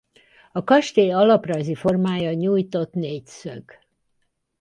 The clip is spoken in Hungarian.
A kastély alaprajzi formája nyújtott négyszög.